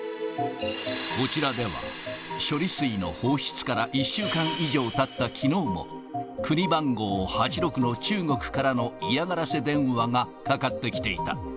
こちらでは、処理水の放出から１週間以上たったきのうも、国番号８６の中国からの嫌がらせ電話がかかってきていた。